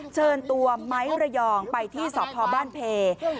เชิญตัวไม้ระยองไปที่สพบ้านเพ